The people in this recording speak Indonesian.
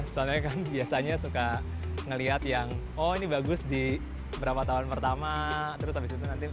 soalnya kan biasanya suka ngelihat yang oh ini bagus di berapa tahun pertama terus abis itu nanti